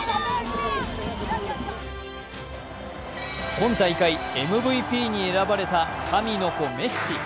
今大会、ＭＶＰに選ばれた神の子・メッシ。